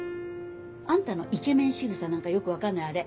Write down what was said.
あんたのイケメンしぐさ何かよく分かんないあれ。